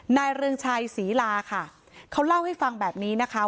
เรืองชัยศรีลาค่ะเขาเล่าให้ฟังแบบนี้นะคะ